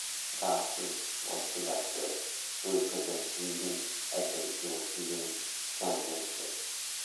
Castles was selected to represent Sweden at the European Championships.